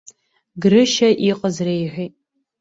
Грышьа иҟаз реиҳәеит.